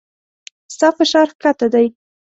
ستا فشار کښته دی